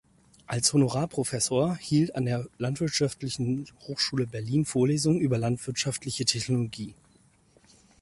Als Honorarprofessor hielt an der Landwirtschaftlichen Hochschule Berlin Vorlesungen über landwirtschaftliche Technologie.